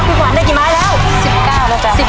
ขวัญไป๑๐แล้ว๑๐แล้วครับ๑๐ต่อ๑๐แล้วครับ